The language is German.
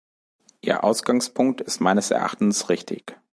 Ihr Ausgangspunkt ist meines Erachtens richtig.